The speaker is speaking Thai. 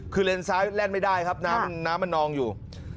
คือเลนซ้ายแล่นไม่ได้ครับน้ำมันนองอยู่